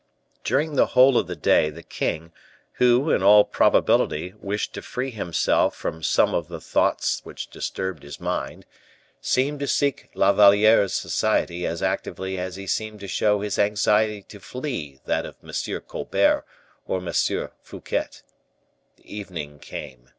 During the whole of the day the king, who, in all probability, wished to free himself from some of the thoughts which disturbed his mind, seemed to seek La Valliere's society as actively as he seemed to show his anxiety to flee that of M. Colbert or M. Fouquet. The evening came.